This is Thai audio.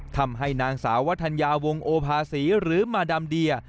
ทำให้นางสาววัฒนยาวงโอภาษีหรือมาดามเดีย